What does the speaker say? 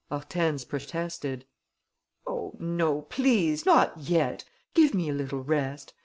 Hortense protested: "Oh, no, please, not yet!... Give me a little rest!...